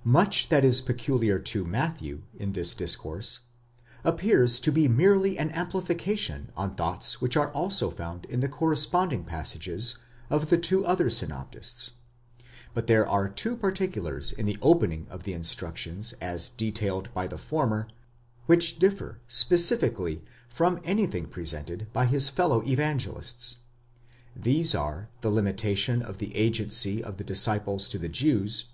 * Much that is peculiar to Matthew in this discourse, appears to be merely an amplification on thoughts which are also found in the corresponding passages of the two other synoptists; but there are two particulars in the opening of the instructions as detailed by the former, which differ specifically from anything presented by his fellow Evangelists. These are the limitation of the agency of the disciples to the Jews (v.